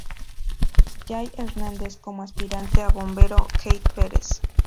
Jay Hernández como Aspirante a Bombero Keith Perez.